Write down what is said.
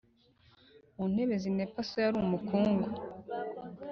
muntebe zinepa so yarumukungu